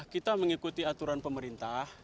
kita mengikuti aturan pemerintah